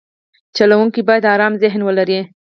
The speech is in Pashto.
چلوونکی باید ارام ذهن ولري.